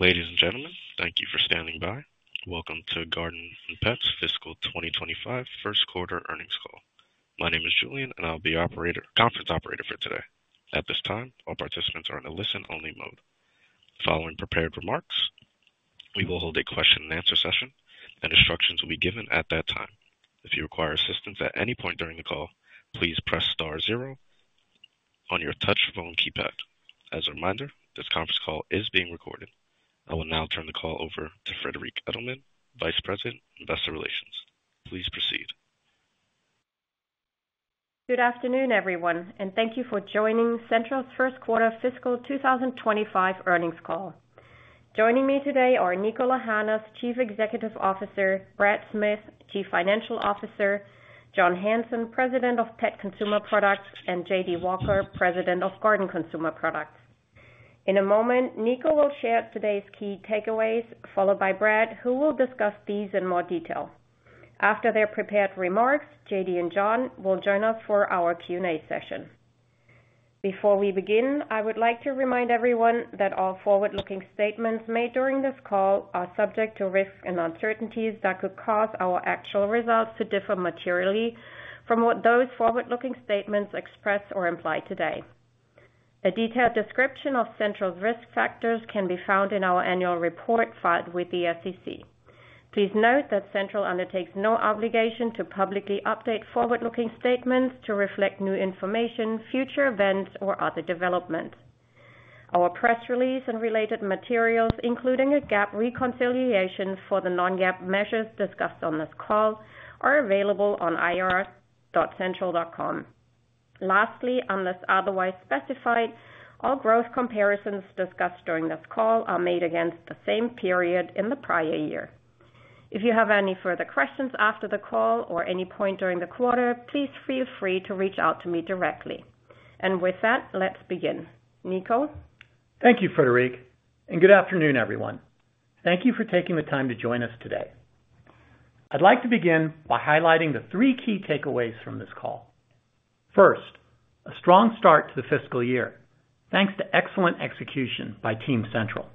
Ladies and gentlemen, thank you for standing by. Welcome to Central Garden & Pet's Fiscal 2025 First Quarter Earnings Call. My name is Julian, and I'll be your conference operator for today. At this time, all participants are in a listen-only mode. Following prepared remarks, we will hold a question-and-answer session, and instructions will be given at that time. If you require assistance at any point during the call, please press star zero on your touch phone keypad. As a reminder, this conference call is being recorded. I will now turn the call over to Friederike Edelmann, Vice President, Investor Relations. Please proceed. Good afternoon, everyone, and thank you for joining Central's First Quarter Fiscal 2025 Earnings Call. Joining me today are Niko Lahanas, Chief Executive Officer, Brad Smith, Chief Financial Officer, John Hanson, President of Pet Consumer Products, and J.D. Walker, President of Garden Consumer Products. In a moment, Niko will share today's key takeaways, followed by Brad, who will discuss these in more detail. After their prepared remarks, J.D. and John will join us for our Q&A session. Before we begin, I would like to remind everyone that all forward-looking statements made during this call are subject to risks and uncertainties that could cause our actual results to differ materially from what those forward-looking statements express or imply today. A detailed description of Central's risk factors can be found in our annual report filed with the SEC. Please note that Central undertakes no obligation to publicly update forward-looking statements to reflect new information, future events, or other developments. Our press release and related materials, including a GAAP reconciliation for the non-GAAP measures discussed on this call, are available on ir.central.com. Lastly, unless otherwise specified, all growth comparisons discussed during this call are made against the same period in the prior year. If you have any further questions after the call or any point during the quarter, please feel free to reach out to me directly. And with that, let's begin. Niko? Thank you, Friederike, and good afternoon, everyone. Thank you for taking the time to join us today. I'd like to begin by highlighting the three key takeaways from this call. First, a strong start to the fiscal year thanks to excellent execution by Team Central.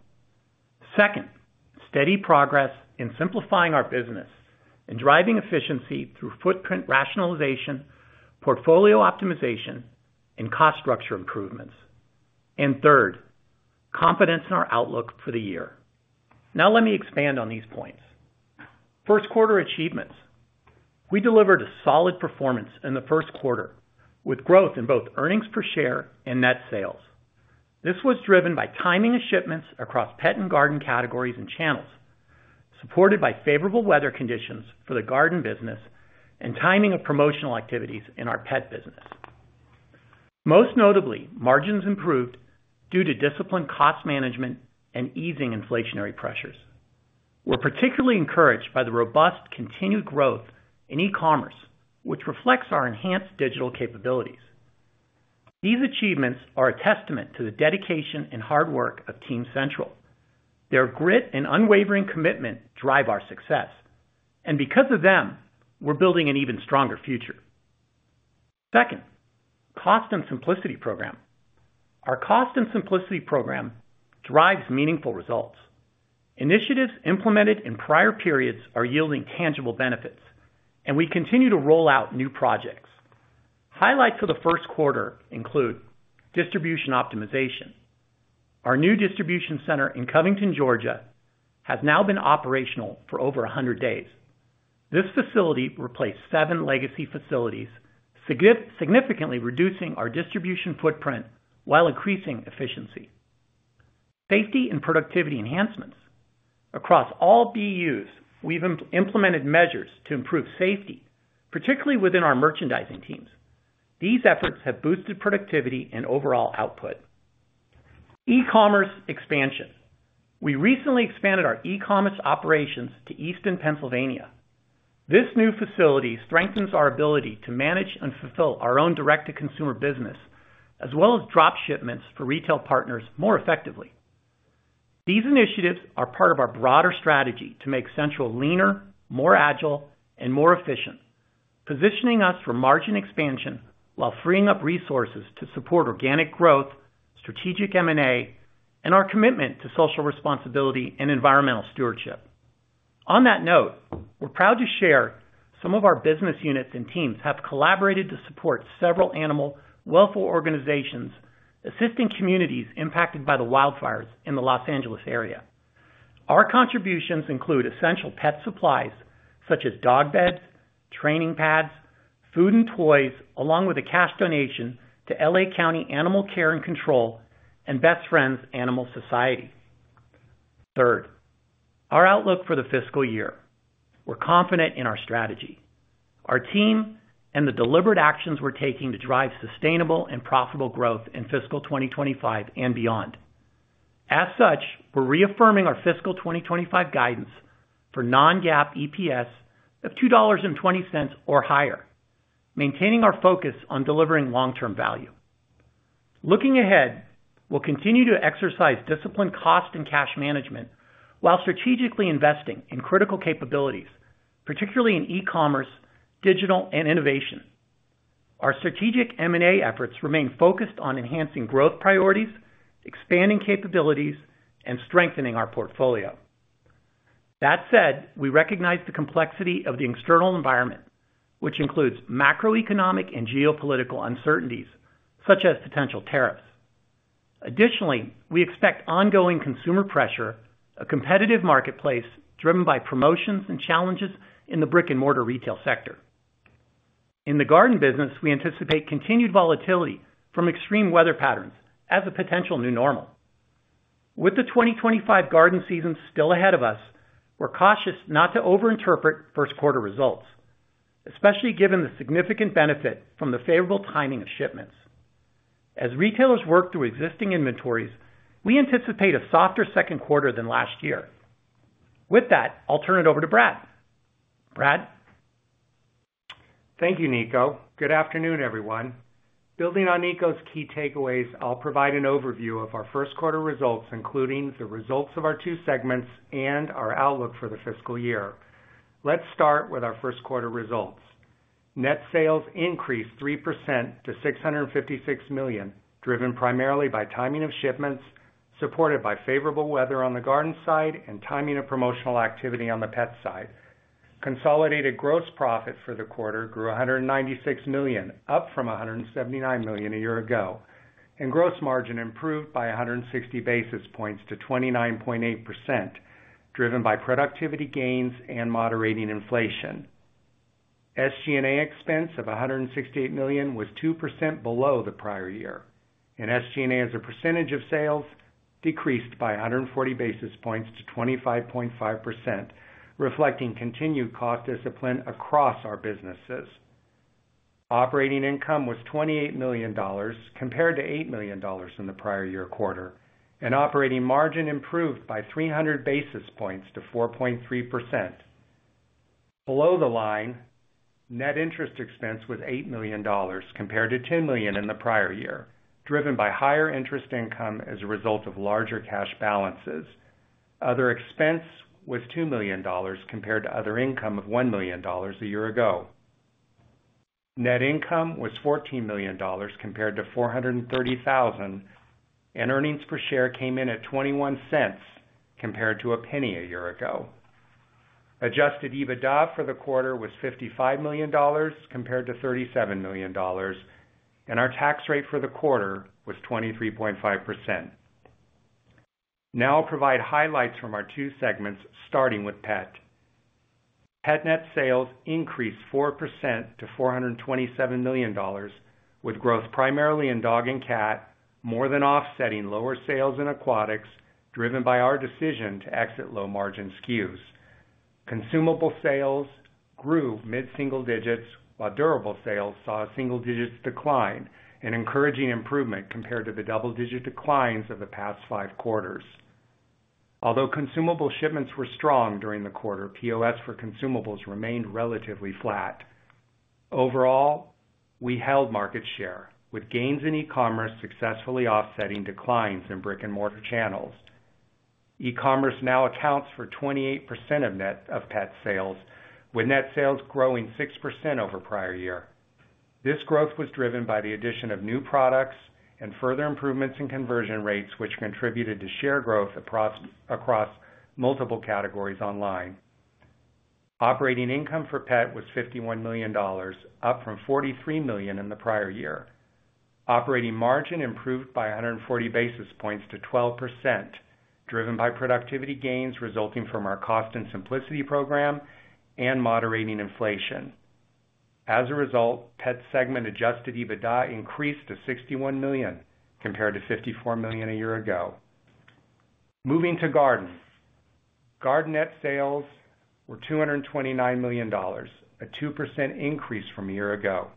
Second, steady progress in simplifying our business and driving efficiency through footprint rationalization, portfolio optimization, and cost structure improvements. And third, confidence in our outlook for the year. Now, let me expand on these points. First quarter achievements. We delivered a solid performance in the first quarter with growth in both earnings per share and net sales. This was driven by timing of shipments across Pet and Garden categories and channels, supported by favorable weather conditions for the Garden business and timing of promotional activities in our Pet business. Most notably, margins improved due to disciplined cost management and easing inflationary pressures. We're particularly encouraged by the robust continued growth in e-commerce, which reflects our enhanced digital capabilities. These achievements are a testament to the dedication and hard work of Team Central. Their grit and unwavering commitment drive our success, and because of them, we're building an even stronger future. Second, Cost and Simplicity program. Our Cost and Simplicity program drives meaningful results. Initiatives implemented in prior periods are yielding tangible benefits, and we continue to roll out new projects. Highlights for the first quarter include distribution optimization. Our new distribution center in Covington, Georgia, has now been operational for over 100 days. This facility replaced seven legacy facilities, significantly reducing our distribution footprint while increasing efficiency. Safety and productivity enhancements. Across all BUs, we've implemented measures to improve safety, particularly within our merchandising teams. These efforts have boosted productivity and overall output. E-commerce expansion. We recently expanded our e-commerce operations to Eastern Pennsylvania. This new facility strengthens our ability to manage and fulfill our own direct-to-consumer business, as well as drop shipments for retail partners more effectively. These initiatives are part of our broader strategy to make Central leaner, more agile, and more efficient, positioning us for margin expansion while freeing up resources to support organic growth, strategic M&A, and our commitment to social responsibility and environmental stewardship. On that note, we're proud to share some of our business units and teams have collaborated to support several animal welfare organizations assisting communities impacted by the wildfires in the Los Angeles area. Our contributions include essential Pet supplies such as dog beds, training pads, food and toys, along with a cash donation to Los Angeles County Animal Care and Control and Best Friends Animal Society. Third, our outlook for the fiscal year. We're confident in our strategy, our team, and the deliberate actions we're taking to drive sustainable and profitable growth in fiscal 2025 and beyond. As such, we're reaffirming our fiscal 2025 guidance for non-GAAP EPS of $2.20 or higher, maintaining our focus on delivering long-term value. Looking ahead, we'll continue to exercise disciplined cost and cash management while strategically investing in critical capabilities, particularly in e-commerce, digital, and innovation. Our strategic M&A efforts remain focused on enhancing growth priorities, expanding capabilities, and strengthening our portfolio. That said, we recognize the complexity of the external environment, which includes macroeconomic and geopolitical uncertainties such as potential tariffs. Additionally, we expect ongoing consumer pressure, a comPetitive marketplace driven by promotions and challenges in the brick-and-mortar retail sector. In the Garden business, we anticipate continued volatility from extreme weather patterns as a potential new normal. With the 2025 Garden season still ahead of us, we're cautious not to overinterpret first quarter results, especially given the significant benefit from the favorable timing of shipments. As retailers work through existing inventories, we anticipate a softer second quarter than last year. With that, I'll turn it over to Brad. Brad. Thank you, Niko. Good afternoon, everyone. Building on Niko's key takeaways, I'll provide an overview of our first quarter results, including the results of our two segments and our outlook for the fiscal year. Let's start with our first quarter results. Net sales increased 3% to $656 million, driven primarily by timing of shipments, supported by favorable weather on the Garden side, and timing of promotional activity on the Pet side. Consolidated gross profit for the quarter grew $196 million, up from $179 million a year ago, and gross margin improved by 160 basis points to 29.8%, driven by productivity gains and moderating inflation. SG&A expense of $168 million was 2% below the prior year, and SG&A as a percentage of sales decreased by 140 basis points to 25.5%, reflecting continued cost discipline across our businesses. Operating income was $28 million, compared to $8 million in the prior year quarter, and operating margin improved by 300 basis points to 4.3%. Below the line, net interest expense was $8 million compared to $10 million in the prior year, driven by higher interest income as a result of larger cash balances. Other expense was $2 million compared to other income of $1 million a year ago. Net income was $14 million compared to $430,000, and earnings per share came in at $0.21 compared to $0.01 a year ago. Adjusted EBITDA for the quarter was $55 million compared to $37 million, and our tax rate for the quarter was 23.5%. Now I'll provide highlights from our two segments, starting with Pet. Pet net sales increased 4% to $427 million, with growth primarily in Dog and Cat, more than offsetting lower sales in Aquatics, driven by our decision to exit low-margin SKUs. Consumable sales grew mid-single digits, while durable sales saw a single-digit decline and encouraging improvement compared to the double-digit declines of the past five quarters. Although consumable shipments were strong during the quarter, POS for consumables remained relatively flat. Overall, we held market share, with gains in e-commerce successfully offsetting declines in brick-and-mortar channels. E-commerce now accounts for 28% of net Pet sales, with net sales growing 6% over prior year. This growth was driven by the addition of new products and further improvements in conversion rates, which contributed to share growth across multiple categories online. Operating income for Pet was $51 million, up from $43 million in the prior year. Operating margin improved by 140 basis points to 12%, driven by productivity gains resulting from our Cost and Simplicity program and moderating inflation. As a result, Pet segment Adjusted EBITDA increased to $61 million compared to $54 million a year ago. Moving to Garden. Garden net sales were $229 million, a 2% increase from a year ago.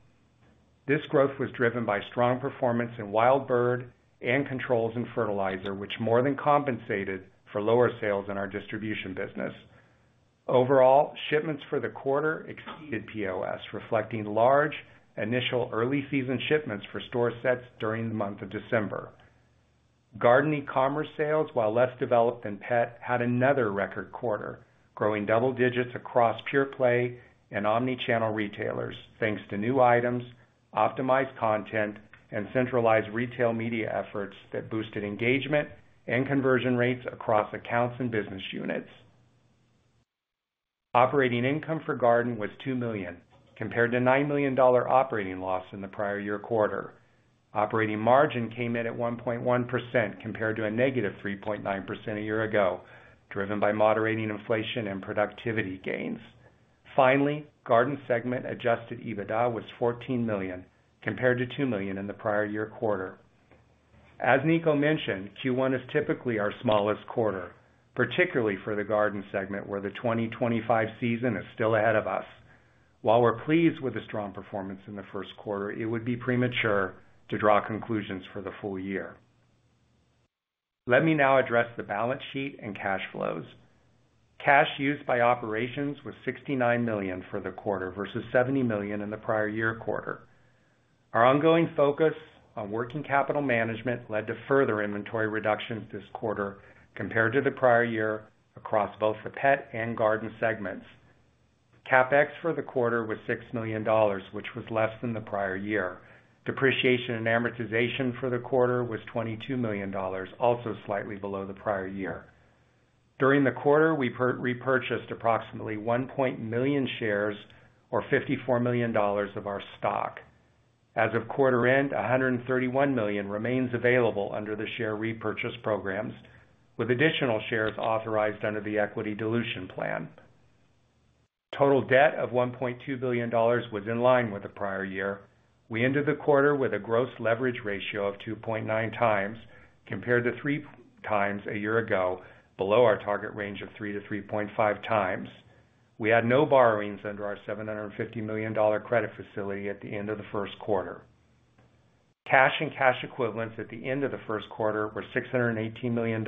This growth was driven by strong performance in Wild Bird and Controls and Fertilizer, which more than compensated for lower sales in our distribution business. Overall, shipments for the quarter exceeded POS, reflecting large initial early season shipments for store sets during the month of December. Garden e-commerce sales, while less developed than Pet, had another record quarter, growing double digits across pure play and omnichannel retailers, thanks to new items, optimized content, and centralized retail media efforts that boosted engagement and conversion rates across accounts and business units. Operating income for Garden was $2 million, compared to $9 million operating loss in the prior year quarter. Operating margin came in at 1.1% compared to a negative 3.9% a year ago, driven by moderating inflation and productivity gains. Finally, Garden segment Adjusted EBITDA was $14 million, compared to $2 million in the prior year quarter. As Niko mentioned, Q1 is typically our smallest quarter, particularly for the Garden segment, where the 2025 season is still ahead of us. While we're pleased with the strong performance in the first quarter, it would be premature to draw conclusions for the full year. Let me now address the balance sheet and cash flows. Cash used by operations was $69 million for the quarter versus $70 million in the prior year quarter. Our ongoing focus on working capital management led to further inventory reductions this quarter compared to the prior year across both the Pet and Garden segments. CapEx for the quarter was $6 million, which was less than the prior year. Depreciation and amortization for the quarter was $22 million, also slightly below the prior year. During the quarter, we repurchased approximately 1.1 million shares or $54 million of our stock. As of quarter end, $131 million remains available under the share repurchase programs, with additional shares authorized under the equity dilution plan. Total debt of $1.2 billion was in line with the prior year. We ended the quarter with a gross leverage ratio of 2.9 times, compared to three times a year ago, below our target range of three to 3.5 times. We had no borrowings under our $750 million credit facility at the end of the first quarter. Cash and cash equivalents at the end of the first quarter were $618 million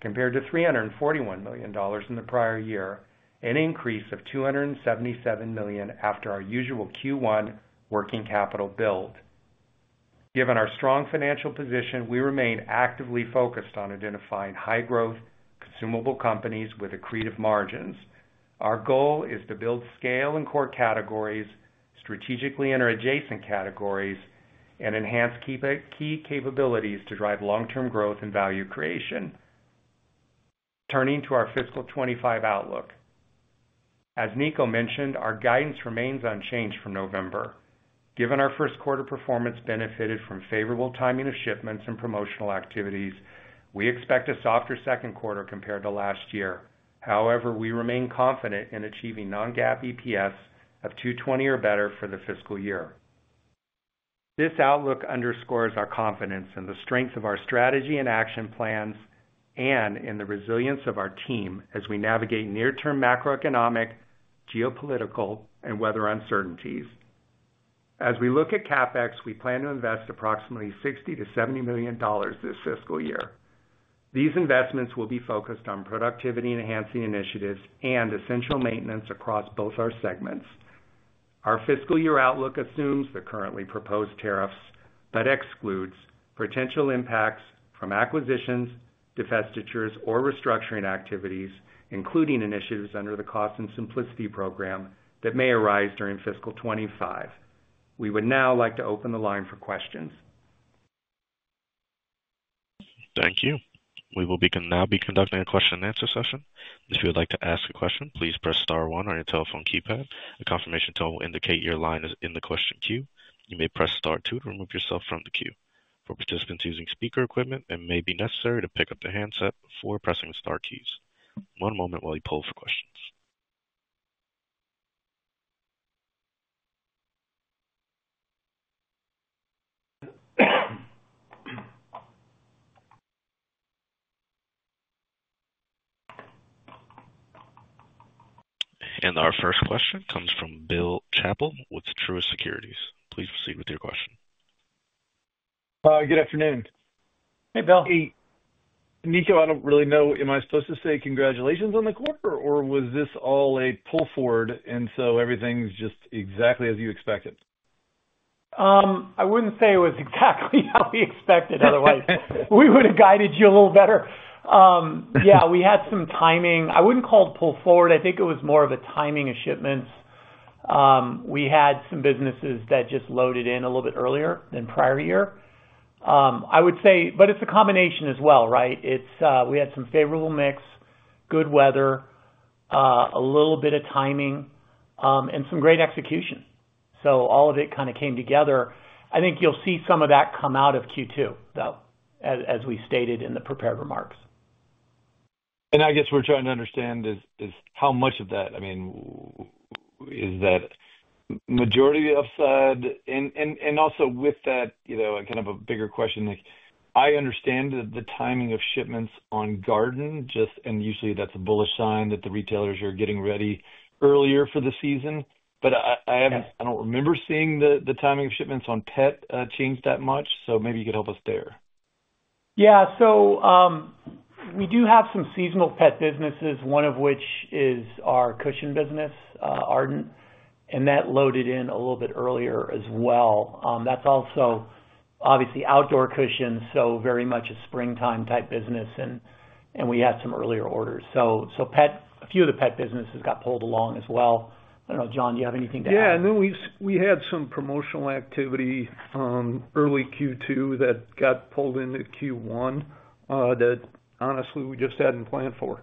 compared to $341 million in the prior year, an increase of $277 million after our usual Q1 working capital build. Given our strong financial position, we remain actively focused on identifying high-growth consumable companies with accretive margins. Our goal is to build scale in core categories, strategically interadjacent categories, and enhance key capabilities to drive long-term growth and value creation. Turning to our fiscal 2025 outlook. As Niko mentioned, our guidance remains unchanged from November. Given our first quarter performance benefited from favorable timing of shipments and promotional activities, we expect a softer second quarter compared to last year. However, we remain confident in achieving non-GAAP EPS of $2.20 or better for the fiscal year. This outlook underscores our confidence in the strength of our strategy and action plans and in the resilience of our team as we navigate near-term macroeconomic, geopolitical, and weather uncertainties. As we look at CapEx, we plan to invest approximately $60 million-$70 million this fiscal year. These investments will be focused on productivity-enhancing initiatives and essential maintenance across both our segments. Our fiscal year outlook assumes the currently proposed tariffs but excludes potential impacts from acquisitions, divestitures, or restructuring activities, including initiatives under the Cost and Simplicity program that may arise during fiscal 2025. We would now like to open the line for questions. Thank you. We will now be conducting a question-and-answer session. If you would like to ask a question, please press star one on your telephone keypad. A confirmation tone will indicate your line is in the question queue. You may press star two to remove yourself from the queue. For participants using speaker equipment, it may be necessary to pick up the handset before pressing the star keys. One moment while we pull for questions. And our first question comes from Bill Chappell with Truist Securities. Please proceed with your question. Good afternoon. Hey, Bill. Niko, I don't really know. Am I supposed to say congratulations on the quarter, or was this all a pull forward, and so everything's just exactly as you expected? I wouldn't say it was exactly how we expected. Otherwise, we would have guided you a little better. Yeah, we had some timing. I wouldn't call it pull forward. I think it was more of a timing of shipments. We had some businesses that just loaded in a little bit earlier than prior year. I would say, but it's a combination as well, right? We had some favorable mix, good weather, a little bit of timing, and some great execution. So all of it kind of came together. I think you'll see some of that come out of Q2, though, as we stated in the prepared remarks. And I guess we're trying to understand is how much of that, I mean, is that majority upside? And also with that, kind of a bigger question, I understand the timing of shipments on Garden, and usually that's a bullish sign that the retailers are getting ready earlier for the season. But I don't remember seeing the timing of shipments on Pet change that much. So maybe you could help us there. Yeah. So we do have some seasonal Pet businesses, one of which is our cushion business, Arden, and that loaded in a little bit earlier as well. That's also obviously outdoor cushions, so very much a springtime-type business, and we had some earlier orders. So a few of the Pet businesses got pulled along as well. I don't know, John, do you have anything to add? Yeah, and then we had some promotional activity early Q2 that got pulled into Q1 that, honestly, we just hadn't planned for.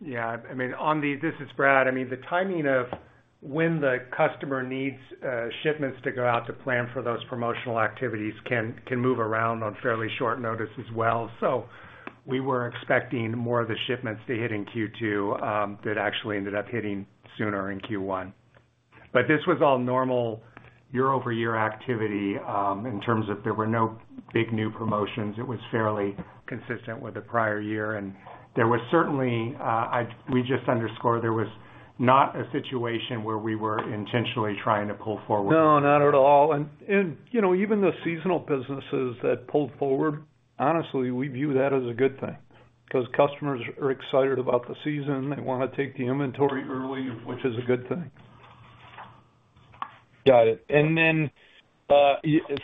Yeah. I mean, on the, this is Brad. I mean, the timing of when the customer needs shipments to go out to plan for those promotional activities can move around on fairly short notice as well. So we were expecting more of the shipments to hit in Q2 that actually ended up hitting sooner in Q1, but this was all normal year-over-year activity in terms of there were no big new promotions. It was fairly consistent with the prior year, and there was certainly, we just underscore, there was not a situation where we were intentionally trying to pull forward. No, not at all, and even the seasonal businesses that pulled forward, honestly, we view that as a good thing because customers are excited about the season. They want to take the inventory early, which is a good thing. Got it. And then,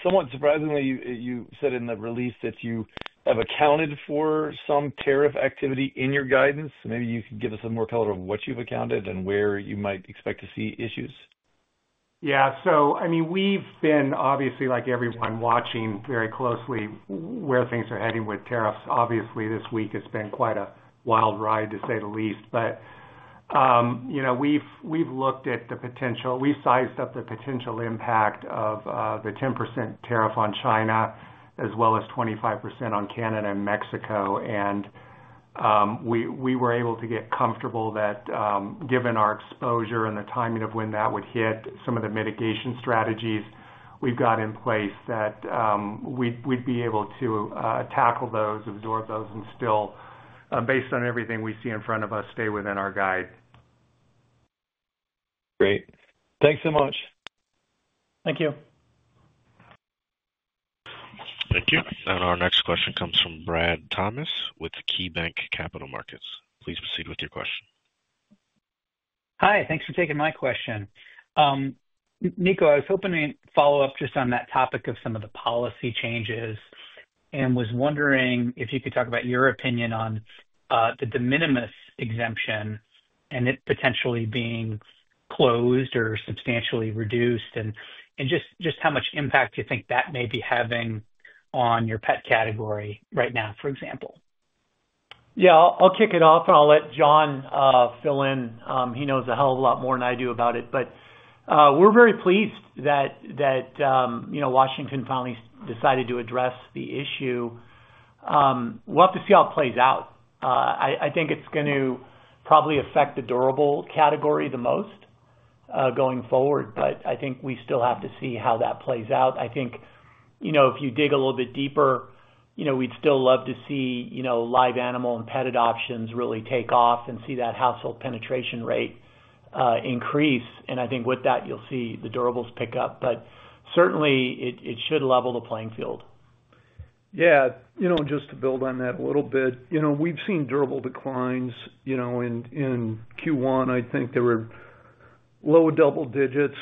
somewhat surprisingly, you said in the release that you have accounted for some tariff activity in your guidance. Maybe you can give us some more color of what you've accounted and where you might expect to see issues? Yeah, so I mean, we've been, obviously, like everyone, watching very closely where things are heading with tariffs. Obviously, this week has been quite a wild ride, to say the least, but we've looked at the potential, we've sized up the potential impact of the 10% tariff on China, as well as 25% on Canada and Mexico, and we were able to get comfortable that, given our exposure and the timing of when that would hit, some of the mitigation strategies we've got in place that we'd be able to tackle those, absorb those, and still, based on everything we see in front of us, stay within our guide. Great. Thanks so much. Thank you. Thank you. And our next question comes from Brad Thomas with KeyBanc Capital Markets. Please proceed with your question. Hi. Thanks for taking my question. Niko, I was hoping to follow up just on that topic of some of the policy changes and was wondering if you could talk about your opinion on the de minimis exemption and it potentially being closed or substantially reduced and just how much impact you think that may be having on your Pet category right now, for example? Yeah. I'll kick it off, and I'll let John fill in. He knows a hell of a lot more than I do about it. But we're very pleased that Washington finally decided to address the issue. We'll have to see how it plays out. I think it's going to probably affect the durable category the most going forward, but I think we still have to see how that plays out. I think if you dig a little bit deeper, we'd still love to see live animal and Pet options really take off and see that household penetration rate increase. And I think with that, you'll see the durables pick up. But certainly, it should level the playing field. Yeah. Just to build on that a little bit, we've seen durable declines. In Q1, I think there were low double digits,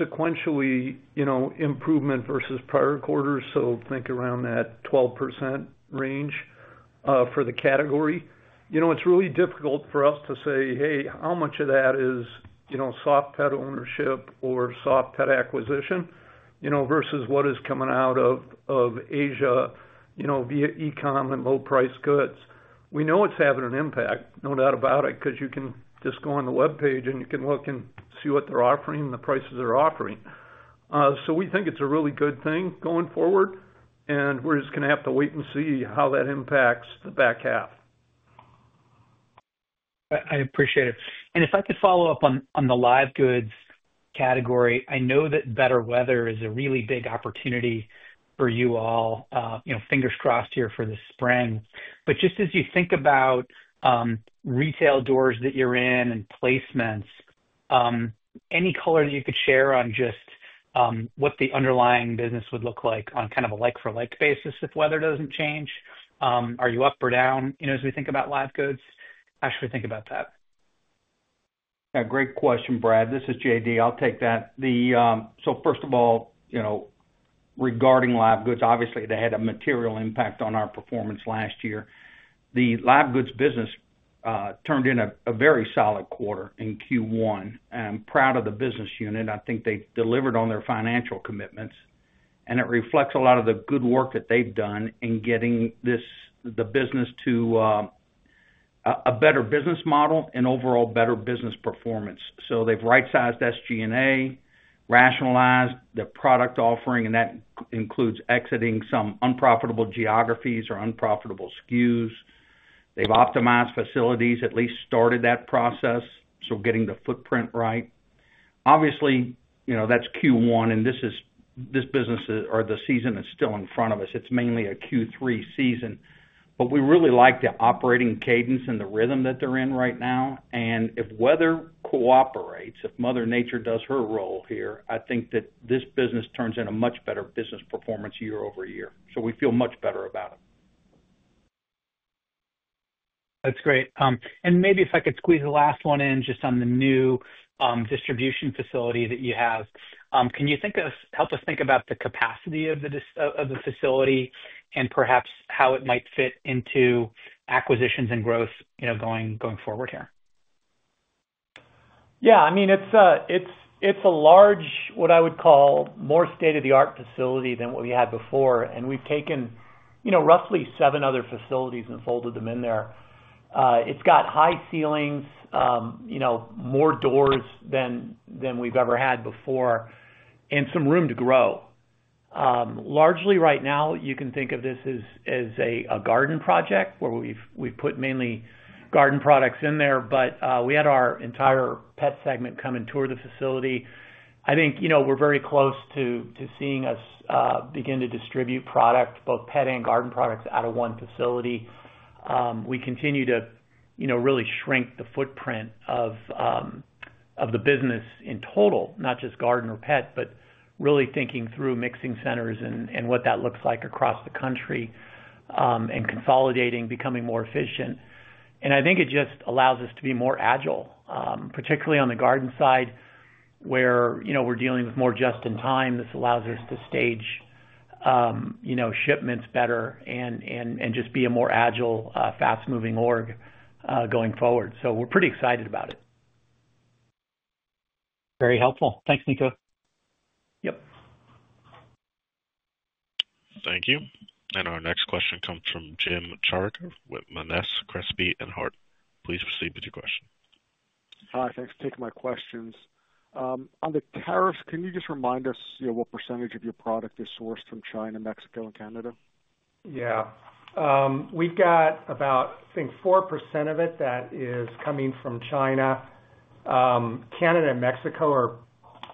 sequentially improvement versus prior quarters, so think around that 12% range for the category. It's really difficult for us to say, "Hey, how much of that is soft Pet ownership or soft Pet acquisition versus what is coming out of Asia via e-comm and low-priced goods?" We know it's having an impact, no doubt about it, because you can just go on the webpage and you can look and see what they're offering and the prices they're offering. So we think it's a really good thing going forward, and we're just going to have to wait and see how that impacts the back half. I appreciate it, and if I could follow up on the live goods category, I know that better weather is a really big opportunity for you all, fingers crossed here for the spring, but just as you think about retail doors that you're in and placements, any color that you could share on just what the underlying business would look like on kind of a like-for-like basis if weather doesn't change? Are you up or down as we think about live goods? How should we think about that? Yeah. Great question, Brad. This is J.D. I'll take that. So first of all, regarding live goods, obviously, they had a material impact on our performance last year. The live goods business turned in a very solid quarter in Q1. And I'm proud of the business unit. I think they've delivered on their financial commitments. And it reflects a lot of the good work that they've done in getting the business to a better business model and overall better business performance. So they've right-sized SG&A, rationalized the product offering, and that includes exiting some unprofitable geographies or unprofitable SKUs. They've optimized facilities, at least started that process, so getting the footprint right. Obviously, that's Q1, and this business or the season is still in front of us. It's mainly a Q3 season. But we really like the operating cadence and the rhythm that they're in right now. And if weather cooperates, if Mother Nature does her role here, I think that this business turns in a much better business performance year-over-year. So we feel much better about it. That's great, and maybe if I could squeeze the last one in just on the new distribution facility that you have, can you help us think about the capacity of the facility and perhaps how it might fit into acquisitions and growth going forward here? Yeah. I mean, it's a large, what I would call, more state-of-the-art facility than what we had before, and we've taken roughly seven other facilities and folded them in there. It's got high ceilings, more doors than we've ever had before, and some room to grow. Largely right now, you can think of this as a Garden project where we've put mainly Garden products in there, but we had our entire Pet segment come and tour the facility. I think we're very close to seeing us begin to distribute product, both Pet and Garden products out of one facility. We continue to really shrink the footprint of the business in total, not just Garden or Pet, but really thinking through mixing centers and what that looks like across the country and consolidating, becoming more efficient. And I think it just allows us to be more agile, particularly on the Garden side where we're dealing with more just-in-time. This allows us to stage shipments better and just be a more agile, fast-moving org going forward. So we're pretty excited about it. Very helpful. Thanks, Niko. Yep. Thank you. And our next question comes from Jim Chartier with Monness, Crespi, Hardt. Please proceed with your question. Hi. Thanks for taking my questions. On the tariffs, can you just remind us what percentage of your product is sourced from China, Mexico, and Canada? Yeah. We've got about, I think, 4% of it that is coming from China. Canada and Mexico are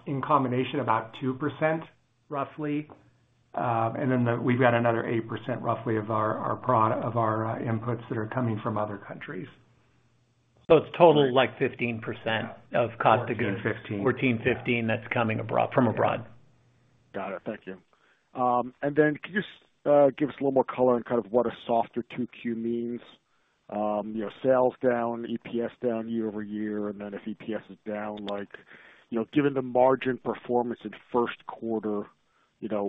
in combination about 2%, roughly. And then we've got another 8%, roughly, of our inputs that are coming from other countries. total like 15% of cost of goods. 14, 15. 14, 15 that's coming from abroad. Got it. Thank you, and then can you just give us a little more color on kind of what a softer 2Q means? Sales down, EPS down year-over-year, and then if EPS is down, given the margin performance in first quarter,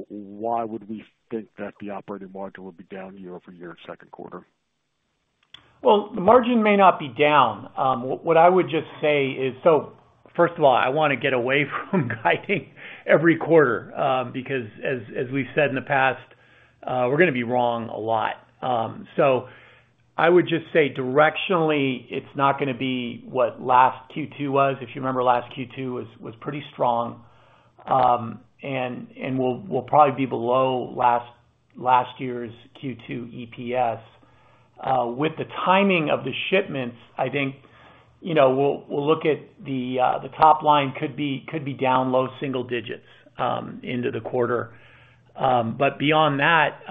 why would we think that the operating margin would be down year-over-year in second quarter? The margin may not be down. What I would just say is, so first of all, I want to get away from guiding every quarter because, as we've said in the past, we're going to be wrong a lot. I would just say, directionally, it's not going to be what last Q2 was. If you remember, last Q2 was pretty strong. We'll probably be below last year's Q2 EPS. With the timing of the shipments, I think we'll look at the top line could be down low single digits into the quarter. Beyond that,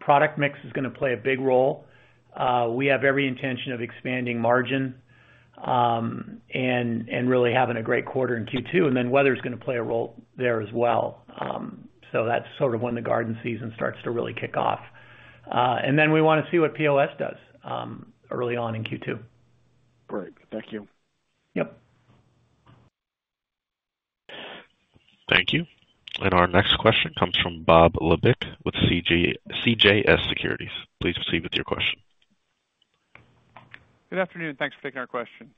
product mix is going to play a big role. We have every intention of expanding margin and really having a great quarter in Q2. Weather is going to play a role there as well. That's sort of when the Garden season starts to really kick off. And then we want to see what POS does early on in Q2. Great. Thank you. Yep. Thank you. And our next question comes from Bob Labick with CJS Securities. Please proceed with your question. Good afternoon. Thanks for taking our question.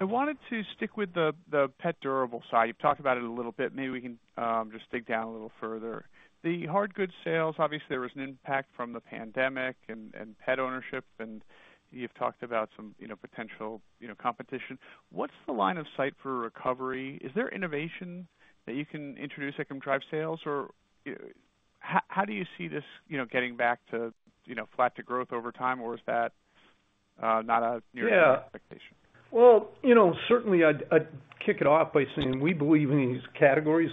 I wanted to stick with the Pet durable side. You've talked about it a little bit. Maybe we can just dig down a little further. The hard goods sales, obviously, there was an impact from the pandemic and Pet ownership. And you've talked about some potential comPetition. What's the line of sight for recovery? Is there innovation that you can introduce that can drive sales? Or how do you see this getting back to flat to growth over time? Or is that not a near-term expectation? Yeah. Well, certainly, I'd kick it off by saying we believe in these categories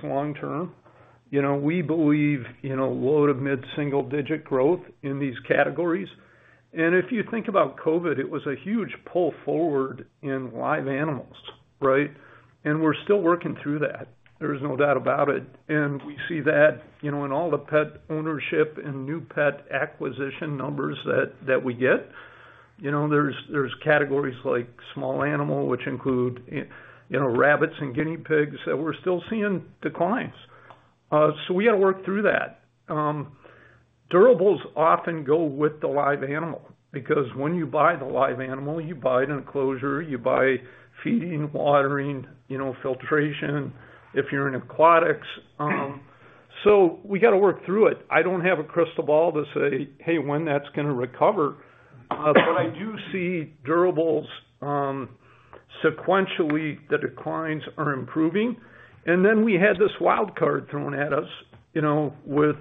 long-term. We believe low to mid-single-digit growth in these categories. And if you think about COVID, it was a huge pull forward in live animals, right? And we're still working through that. There's no doubt about it. And we see that in all the Pet ownership and new Pet acquisition numbers that we get. There's categories like small animal, which include rabbits and guinea pigs, that we're still seeing declines. So we got to work through that. Durables often go with the live animal because when you buy the live animal, you buy an enclosure, you buy feeding, watering, filtration if you're in Aquatics. So we got to work through it. I don't have a crystal ball to say, "Hey, when that's going to recover?" But I do see durables sequentially, the declines are improving. And then we had this wild card thrown at us with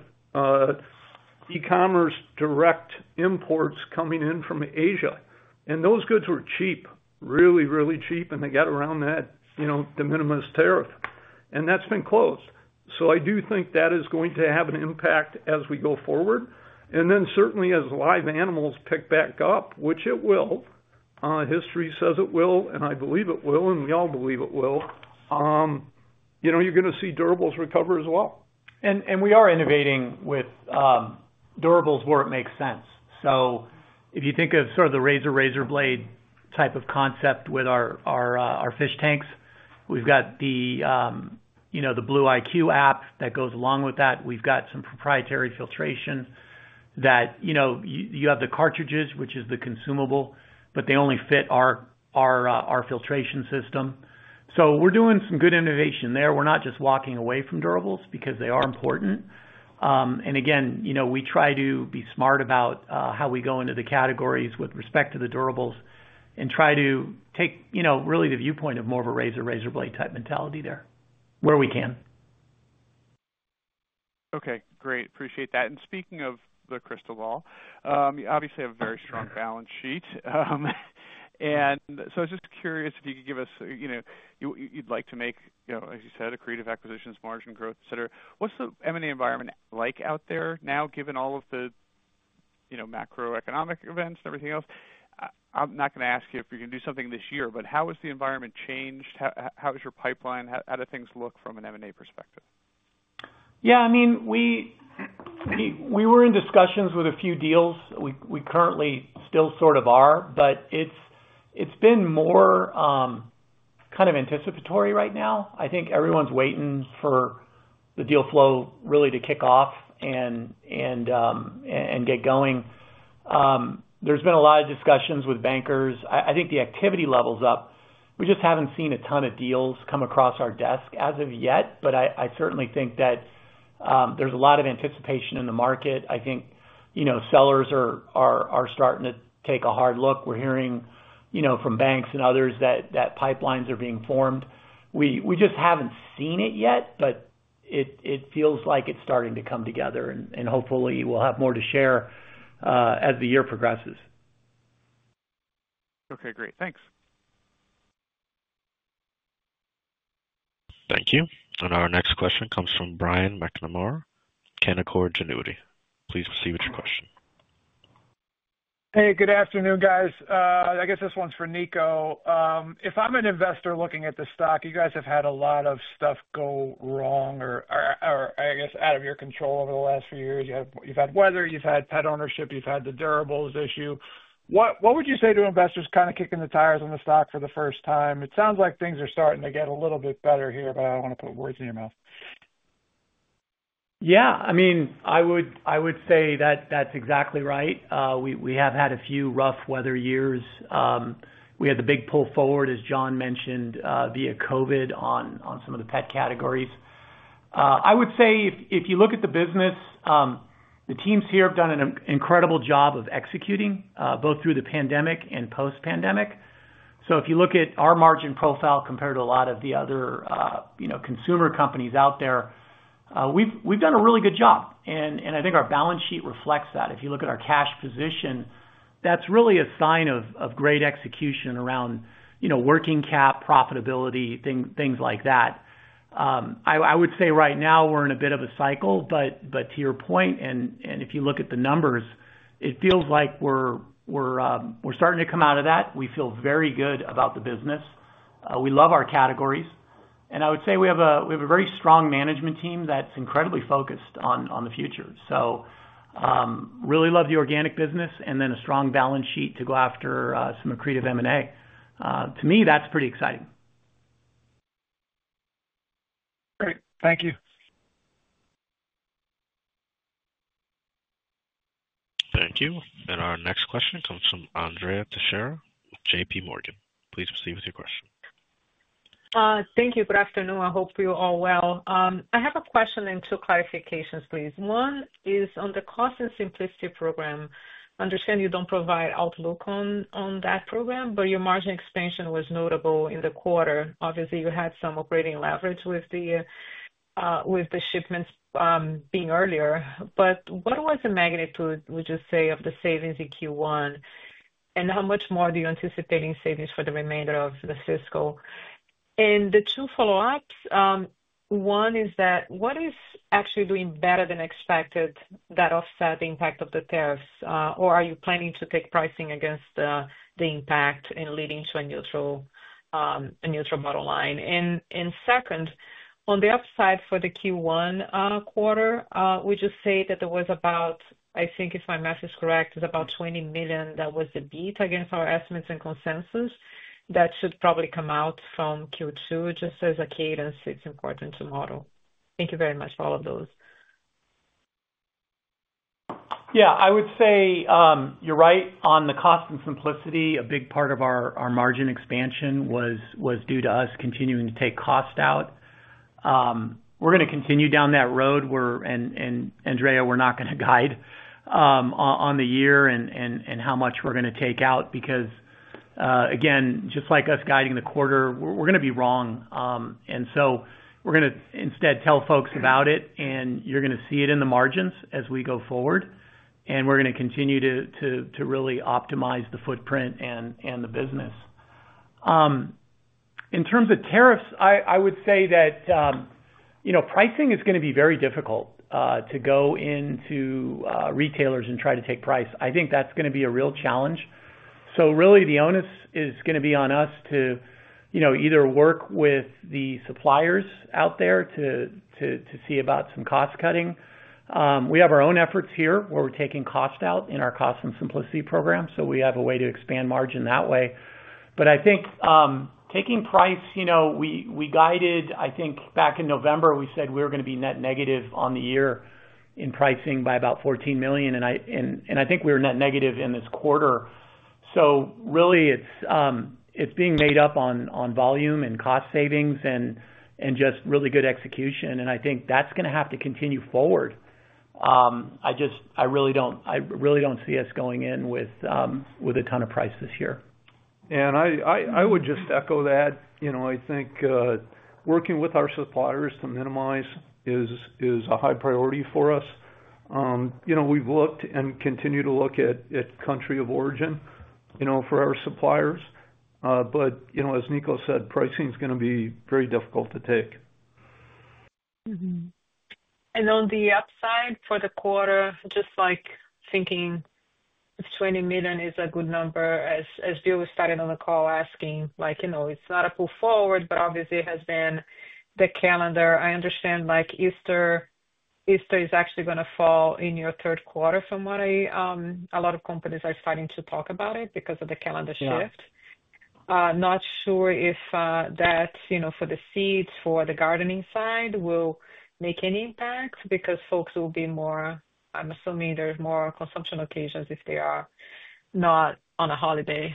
e-commerce direct imports coming in from Asia. And those goods were cheap, really, really cheap, and they got around that de minimis tariff. And that's been closed. So I do think that is going to have an impact as we go forward. And then certainly, as live animals pick back up, which it will, history says it will, and I believe it will, and we all believe it will, you're going to see durables recover as well. And we are innovating with durables where it makes sense. So if you think of sort of the razor blade type of concept with our fish tanks, we've got the BlueIQ app that goes along with that. We've got some proprietary filtration that you have the cartridges, which is the consumable, but they only fit our filtration system. So we're doing some good innovation there. We're not just walking away from durables because they are important. And again, we try to be smart about how we go into the categories with respect to the durables and try to take really the viewpoint of more of a razor blade type mentality there where we can. Okay. Great. Appreciate that. And speaking of the crystal ball, you obviously have a very strong balance sheet. And so I was just curious if you could give us what you'd like to make, as you said, some creative acquisitions, margin growth, etc. What's the M&A environment like out there now, given all of the macroeconomic events and everything else? I'm not going to ask you if you're going to do something this year, but how has the environment changed? How is your pipeline? How do things look from an M&A perspective? Yeah. I mean, we were in discussions with a few deals. We currently still sort of are, but it's been more kind of anticipatory right now. I think everyone's waiting for the deal flow really to kick off and get going. There's been a lot of discussions with bankers. I think the activity levels up. We just haven't seen a ton of deals come across our desk as of yet, but I certainly think that there's a lot of anticipation in the market. I think sellers are starting to take a hard look. We're hearing from banks and others that pipelines are being formed. We just haven't seen it yet, but it feels like it's starting to come together, and hopefully, we'll have more to share as the year progresses. Okay. Great. Thanks. Thank you. And our next question comes from Brian McNamara, Canaccord Genuity. Please proceed with your question. Hey, good afternoon, guys. I guess this one's for Niko. If I'm an investor looking at the stock, you guys have had a lot of stuff go wrong or, I guess, out of your control over the last few years. You've had weather, you've had Pet ownership, you've had the durables issue. What would you say to investors kind of kicking the tires on the stock for the first time? It sounds like things are starting to get a little bit better here, but I don't want to put words in your mouth. Yeah. I mean, I would say that that's exactly right. We have had a few rough weather years. We had the big pull forward, as John mentioned, via COVID on some of the Pet categories. I would say if you look at the business, the teams here have done an incredible job of executing both through the pandemic and post-pandemic. So if you look at our margin profile compared to a lot of the other consumer companies out there, we've done a really good job. And I think our balance sheet reflects that. If you look at our cash position, that's really a sign of great execution around working cap, profitability, things like that. I would say right now we're in a bit of a cycle, but to your point, and if you look at the numbers, it feels like we're starting to come out of that. We feel very good about the business. We love our categories. And I would say we have a very strong management team that's incredibly focused on the future. So really love the organic business and then a strong balance sheet to go after some accretive M&A. To me, that's pretty exciting. Great. Thank you. Thank you. And our next question comes from Andrea Teixeira with JPMorgan. Please proceed with your question. Thank you. Good afternoon. I hope you're all well. I have a question and two clarifications, please. One is on the Cost and Simplicity program. I understand you don't provide outlook on that program, but your margin expansion was notable in the quarter. Obviously, you had some operating leverage with the shipments being earlier. But what was the magnitude, would you say, of the savings in Q1? And how much more do you anticipate in savings for the remainder of the fiscal? And the two follow-ups, one is that what is actually doing better than expected that offset the impact of the tariffs? Or are you planning to take pricing against the impact and leading to a neutral bottom line? Second, on the upside for the Q1 quarter, would you say that there was about, I think if my math is correct, it's about $20 million that was the beat against our estimates and consensus? That should probably come out from Q2 just as a cadence it's important to model. Thank you very much for all of those. Yeah. I would say you're right on the cost and simplicity. A big part of our margin expansion was due to us continuing to take cost out. We're going to continue down that road, and Andrea, we're not going to guide on the year and how much we're going to take out because, again, just like us guiding the quarter, we're going to be wrong, and so we're going to instead tell folks about it, and you're going to see it in the margins as we go forward, and we're going to continue to really optimize the footprint and the business. In terms of tariffs, I would say that pricing is going to be very difficult to go into retailers and try to take price. I think that's going to be a real challenge. So really, the onus is going to be on us to either work with the suppliers out there to see about some cost cutting. We have our own efforts here where we're taking cost out in our Cost and Simplicity program. So we have a way to expand margin that way. But I think taking price, we guided, I think back in November, we said we were going to be net negative on the year in pricing by about $14 million. And I think we were net negative in this quarter. So really, it's being made up on volume and cost savings and just really good execution. And I think that's going to have to continue forward. I really don't see us going in with a ton of price this year. And I would just echo that. I think working with our suppliers to minimize is a high priority for us. We've looked and continue to look at country of origin for our suppliers. But as Niko said, pricing is going to be very difficult to take. On the upside for the quarter, just thinking $20 million is a good number, as we were starting on the call asking, it's not a pull forward, but obviously, it has been the calendar. I understand Easter is actually going to fall in your third quarter from what a lot of companies are starting to talk about it because of the calendar shift. Not sure if that for the seeds, for the Gardening side, will make any impact because folks will be more. I'm assuming there's more consumption occasions if they are not on a holiday.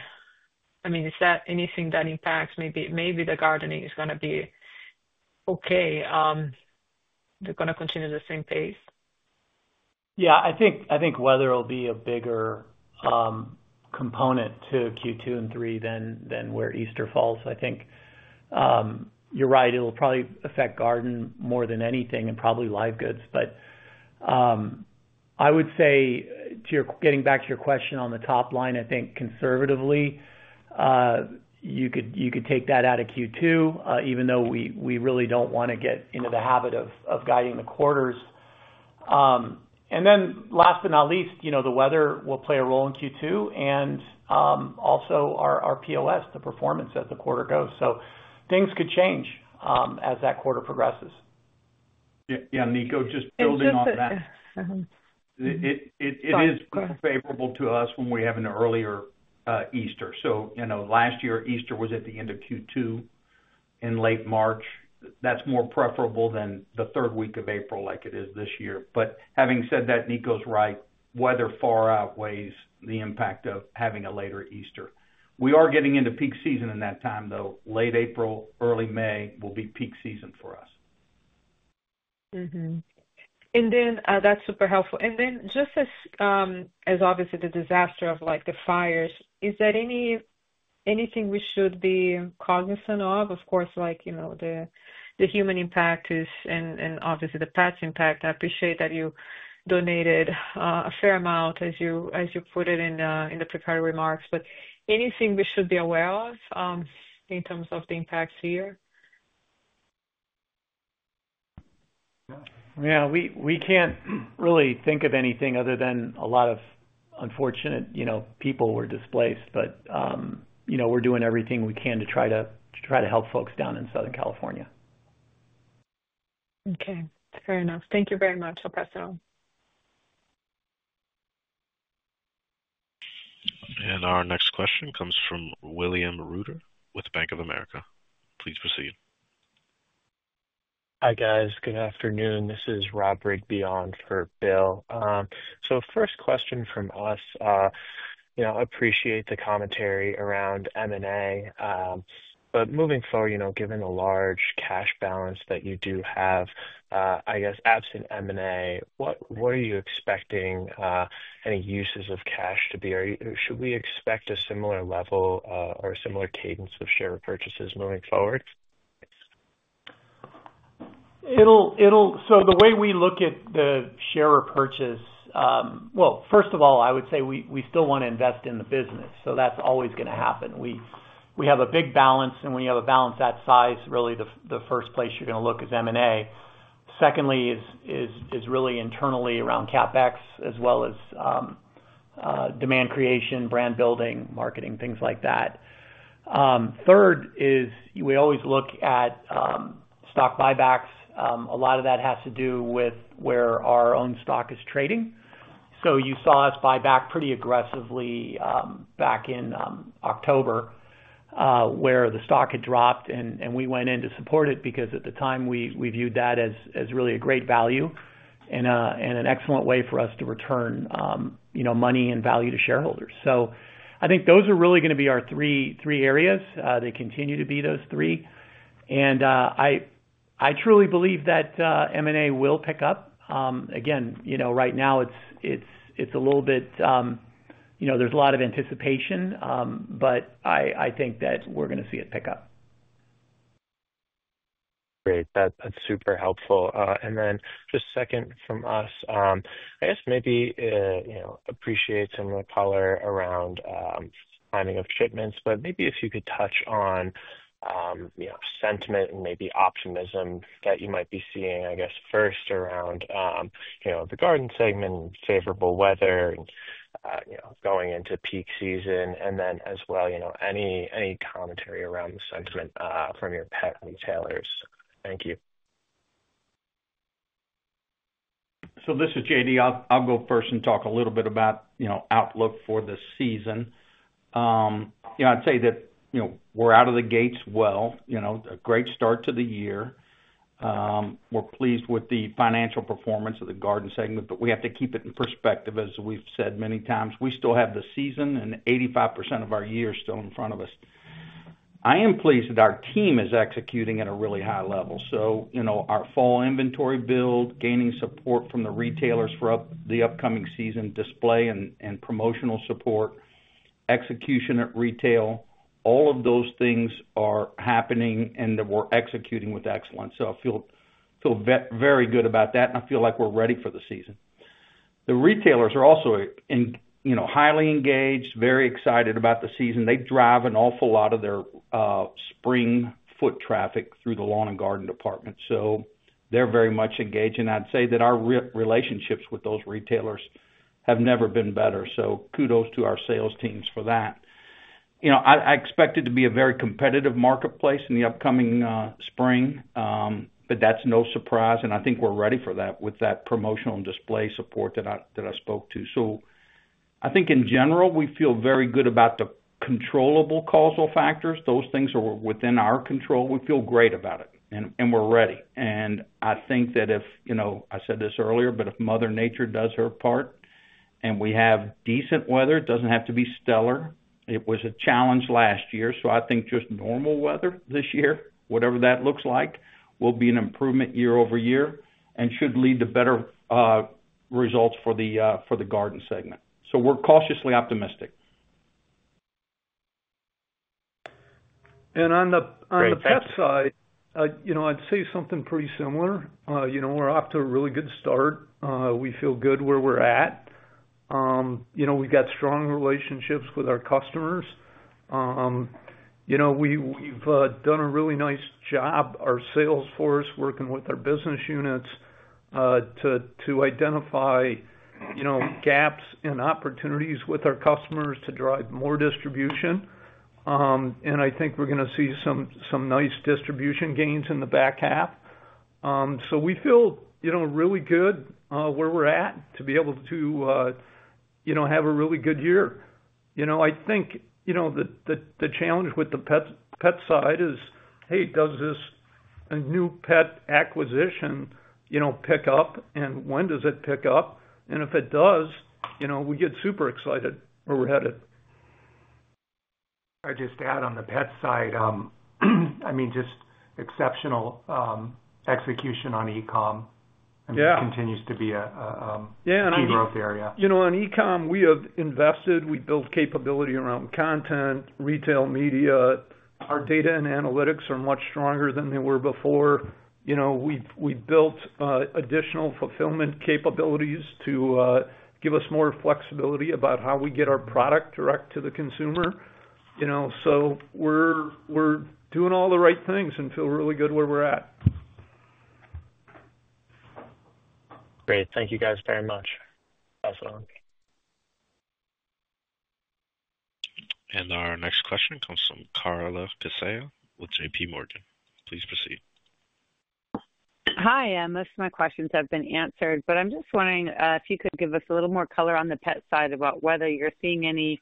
I mean, is that anything that impacts? Maybe the Gardening is going to be okay. They're going to continue the same pace? Yeah. I think weather will be a bigger component to Q2 and 3 than where Easter falls. I think you're right. It'll probably affect Garden more than anything and probably live goods. But I would say, getting back to your question on the top line, I think conservatively, you could take that out of Q2, even though we really don't want to get into the habit of guiding the quarters. And then last but not least, the weather will play a role in Q2 and also our POS, the performance as the quarter goes. So things could change as that quarter progresses. Yeah. Niko, just building on that, it is favorable to us when we have an earlier Easter. So last year, Easter was at the end of Q2 in late March. That's more preferable than the third week of April like it is this year. But having said that, Niko's right. Weather far outweighs the impact of having a later Easter. We are getting into peak season in that time, though. Late April, early May will be peak season for us. And then that's super helpful. And then, just as obviously, the disaster of the fires, is there anything we should be cognizant of? Of course, the human impact and obviously the Pet impact. I appreciate that you donated a fair amount, as you put it in the prepared remarks. But anything we should be aware of in terms of the impacts here? Yeah. We can't really think of anything other than a lot of unfortunate people were displaced, but we're doing everything we can to try to help folks down in Southern California. Okay. Fair enough. Thank you very much, Operator. Our next question comes from William Reuter with Bank of America. Please proceed. Hi guys. Good afternoon. This is Rodrigue beyond for Bill, so first question from us, I appreciate the commentary around M&A, but moving forward, given the large cash balance that you do have, I guess absent M&A, what are you expecting any uses of cash to be? Should we expect a similar level or a similar cadence of share purchases moving forward? So the way we look at the share repurchase, well, first of all, I would say we still want to invest in the business. So that's always going to happen. We have a big balance sheet, and when you have a balance sheet that size, really the first place you're going to look is M&A. Secondly is really internally around CapEx as well as demand creation, brand building, marketing, things like that. Third is we always look at stock buybacks. A lot of that has to do with where our own stock is trading. So you saw us buy back pretty aggressively back in October where the stock had dropped, and we went in to support it because at the time, we viewed that as really a great value and an excellent way for us to return money and value to shareholders. So I think those are really going to be our three areas. They continue to be those three. And I truly believe that M&A will pick up. Again, right now, it's a little bit, there's a lot of anticipation, but I think that we're going to see it pick up. Great. That's super helpful, and then just second from us. I guess maybe appreciate some of the color around timing of shipments, but maybe if you could touch on sentiment and maybe optimism that you might be seeing, I guess, first around the Garden segment and favorable weather and going into peak season, and then as well, any commentary around the sentiment from your Pet retailers. Thank you. This is J.D. I'll go first and talk a little bit about outlook for the season. I'd say that we're out of the gates well. A great start to the year. We're pleased with the financial performance of the Garden segment, but we have to keep it in perspective. As we've said many times, we still have the season and 85% of our year still in front of us. I am pleased that our team is executing at a really high level, so our fall inventory build, gaining support from the retailers for the upcoming season, display and promotional support, execution at retail, all of those things are happening and that we're executing with excellence. I feel very good about that, and I feel like we're ready for the season. The retailers are also highly engaged, very excited about the season. They drive an awful lot of their spring foot traffic through the Lawn and Garden department. So they're very much engaged. And I'd say that our relationships with those retailers have never been better. So kudos to our sales teams for that. I expect it to be a very comPetitive marketplace in the upcoming spring, but that's no surprise. And I think we're ready for that with that promotional and display support that I spoke to. So I think in general, we feel very good about the controllable causal factors. Those things are within our control. We feel great about it, and we're ready. And I think that if I said this earlier, but if Mother Nature does her part and we have decent weather, it doesn't have to be stellar. It was a challenge last year. So I think just normal weather this year, whatever that looks like, will be an improvement year-over-year and should lead to better results for the Garden segment. So we're cautiously optimistic. And on the Pet side, I'd say something pretty similar. We're off to a really good start. We feel good where we're at. We've got strong relationships with our customers. We've done a really nice job, our sales force, working with our business units to identify gaps and opportunities with our customers to drive more distribution. And I think we're going to see some nice distribution gains in the back half. So we feel really good where we're at to be able to have a really good year. I think the challenge with the Pet side is, hey, does this new Pet acquisition pick up, and when does it pick up? And if it does, we get super excited where we're headed. I just add on the Pet side, I mean, just exceptional execution on Ecom. It continues to be a key growth area. Yeah, and I think on Ecom, we have invested. We built capability around content, retail media. Our data and analytics are much stronger than they were before. We've built additional fulfillment capabilities to give us more flexibility about how we get our product direct to the consumer, so we're doing all the right things and feel really good where we're at. Great. Thank you guys very much, Operator. Our next question comes from Carla Casella with JPMorgan. Please proceed. Hi. Most of my questions have been answered, but I'm just wondering if you could give us a little more color on the Pet side about whether you're seeing any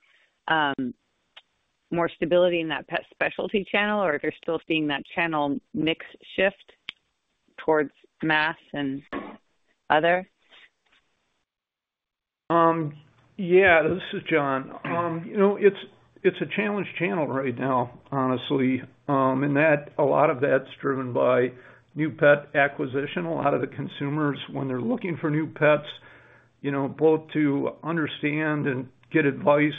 more stability in that Pet specialty channel or if you're still seeing that channel mix shift towards mass and other? Yeah. This is John. It's a challenge channel right now, honestly, and a lot of that's driven by new Pet acquisition. A lot of the consumers, when they're looking for new Pets, both to understand and get advice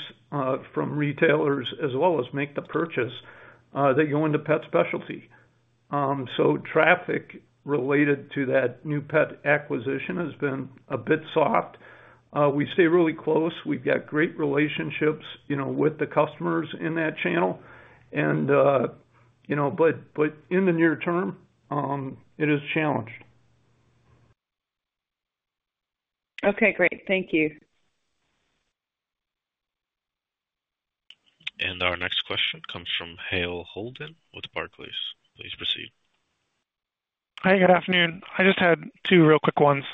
from retailers as well as make the purchase, they go into Pet specialty, so traffic related to that new Pet acquisition has been a bit soft. We stay really close. We've got great relationships with the customers in that channel, but in the near term, it is challenged. Okay. Great. Thank you. And our next question comes from Hale Holden with Barclays. Please proceed. Hi. Good afternoon. I just had two real quick ones.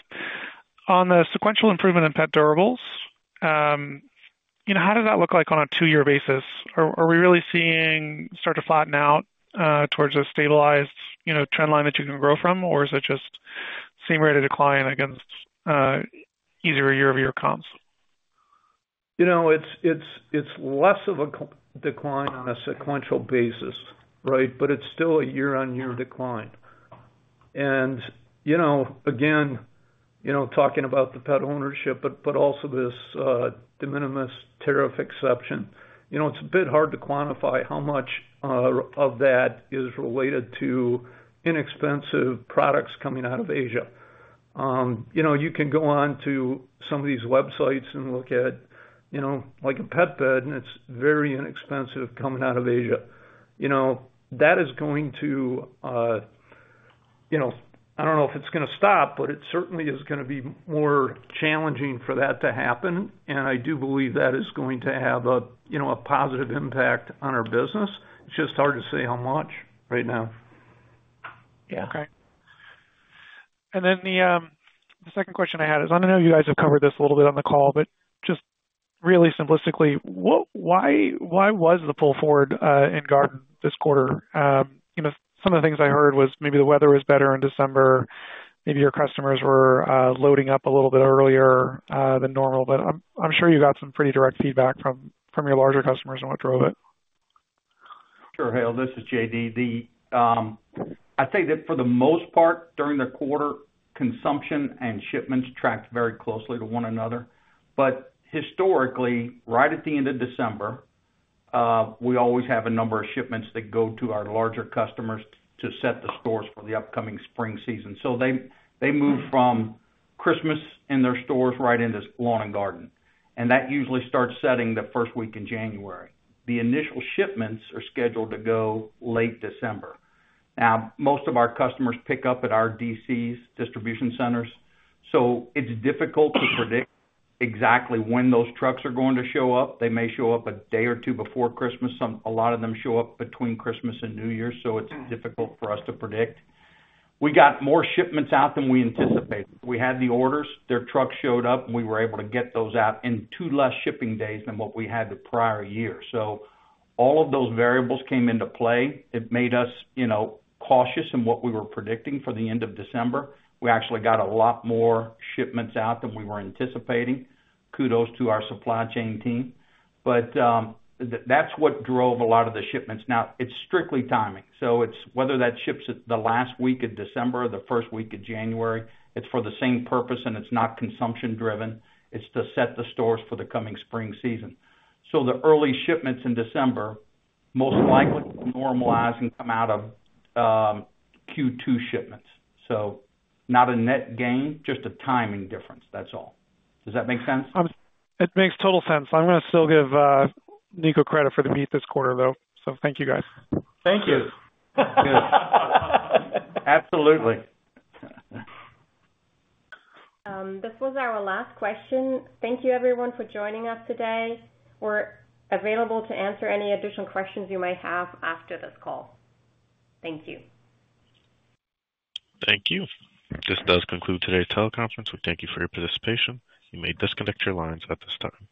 On the sequential improvement in Pet durables, how does that look like on a two-year basis? Are we really seeing start to flatten out towards a stabilized trend line that you can grow from, or is it just seem ready to decline against easier year-over-year comps? It's less of a decline on a sequential basis, right, but it's still a year-on-year decline. And again, talking about the Pet ownership, but also this de minimis tariff exception, it's a bit hard to quantify how much of that is related to inexpensive products coming out of Asia. You can go on to some of these websites and look at a Pet bed, and it's very inexpensive coming out of Asia. That is going to, I don't know if it's going to stop, but it certainly is going to be more challenging for that to happen. And I do believe that is going to have a positive impact on our business. It's just hard to say how much right now. Yeah. And then the second question I had is, I know you guys have covered this a little bit on the call, but just really simplistically, why was the pull forward in Garden this quarter? Some of the things I heard was maybe the weather was better in December. Maybe your customers were loading up a little bit earlier than normal, but I'm sure you got some pretty direct feedback from your larger customers on what drove it. Sure. Hale, this is J.D. I'd say that for the most part, during the quarter, consumption and shipments tracked very closely to one another. But historically, right at the end of December, we always have a number of shipments that go to our larger customers to set the stores for the upcoming spring season. So they move from Christmas in their stores right into Lawn and Garden. And that usually starts setting the first week in January. The initial shipments are scheduled to go late December. Now, most of our customers pick up at our DCs, distribution centers. So it's difficult to predict exactly when those trucks are going to show up. They may show up a day or two before Christmas. A lot of them show up between Christmas and New Year's. So it's difficult for us to predict. We got more shipments out than we anticipated. We had the orders. Their trucks showed up. We were able to get those out in two less shipping days than what we had the prior year. So all of those variables came into play. It made us cautious in what we were predicting for the end of December. We actually got a lot more shipments out than we were anticipating. Kudos to our supply chain team. But that's what drove a lot of the shipments. Now, it's strictly timing. So whether that ships the last week of December or the first week of January, it's for the same purpose, and it's not consumption-driven. It's to set the stores for the coming spring season. So the early shipments in December most likely normalize and come out of Q2 shipments. So not a net gain, just a timing difference. That's all. Does that make sense? It makes total sense. I'm going to still give Niko credit for the beat this quarter, though. So thank you, guys. Thank you. Absolutely. This was our last question. Thank you, everyone, for joining us today. We're available to answer any additional questions you might have after this call. Thank you. Thank you. This does conclude today's teleconference. We thank you for your participation. You may disconnect your lines at this time.